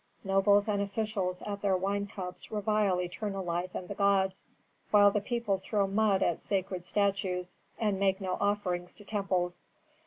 Nobles and officials at their wine cups revile eternal life and the gods, while the people throw mud at sacred statues and make no offerings to temples.